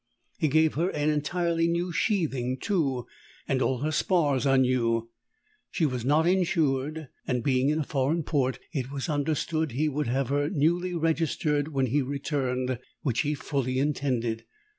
He gave her an entirely new sheathing, too, and all her spars are new. She was not insured, and, being in a foreign port, it was understood he would have her newly registered when he returned, which he fully intended.